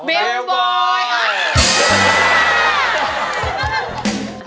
เบลร์บอยค่ะ